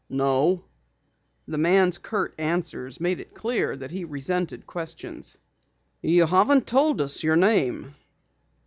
"No." The man's curt answers made it clear that he resented questions. "You haven't told us your name."